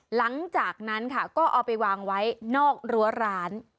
หลังจากนั้นค่ะก็เอาไปวางไว้นอกรั้วร้าน